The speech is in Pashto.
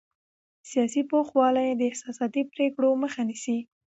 سیاسي پوخوالی د احساساتي پرېکړو مخه نیسي